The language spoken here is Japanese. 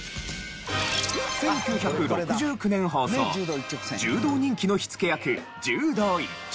１９６９年放送柔道人気の火付け役『柔道一直線』。